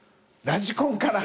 ラジコンから？